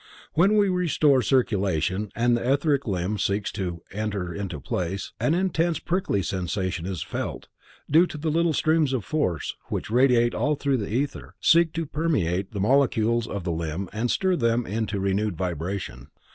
When we restore circulation and the etheric limb seeks to enter into place, an intense prickly sensation is felt, due to the fact that the little streams of force, which radiate all through the ether, seek to permeate the molecules of the limb and stir them into renewed vibration.